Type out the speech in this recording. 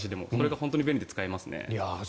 本当に便利で使えますね。